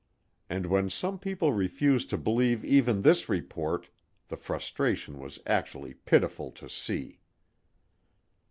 And when some people refused to believe even this report, the frustration was actually pitiful to see.